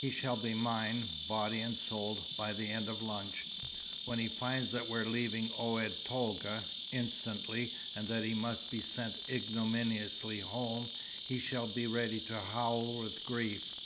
He shall be mine, body and soul, by the end of lunch. When he finds that we're leaving Oued Tolga, instantly, and that he must be sent ignominiously home, he shall be ready to howl with grief.